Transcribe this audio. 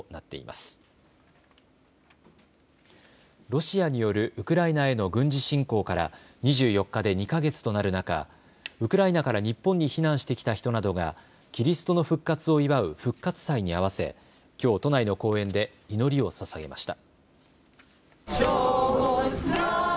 ロシアによるウクライナへの軍事侵攻から２４日で２か月となる中、ウクライナから日本に避難してきた人などがキリストの復活を祝う復活祭に合わせきょう都内の公園で祈りをささげました。